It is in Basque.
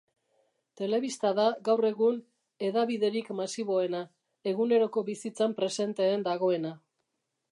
Telebista da, gaur egun, hedabiderik masiboena, eguneroko bizitzan presenteen dagoena.